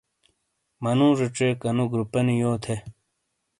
منُوڙے ڇیک اَنُو گُروپِنی یو تھے۔